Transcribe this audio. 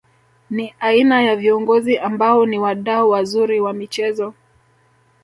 Ni aina ya viongozi ambao ni wadau wazuri wa michezo